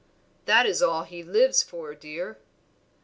"That is all he lives for, dear."